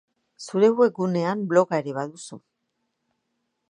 Zure webgunean bloga ere baduzu.